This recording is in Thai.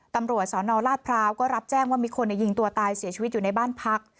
ตำรวจสนราชพร้าวก็รับแจ้งว่ามีคนยิงตัวตายเสียชีวิตอยู่ในบ้านพัก